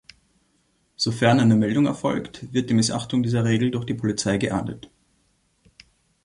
Sofern eine Meldung erfolgt, wird die Missachtung dieser Regel durch die Polizei geahndet.